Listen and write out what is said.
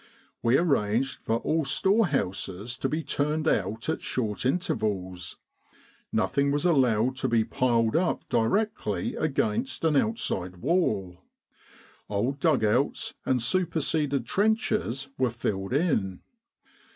We arranged for all storehouses to be turned out at short intervals. Nothing was allowed to be piled up directly against an outside wall. Old dug outs and superseded trenches were filled in.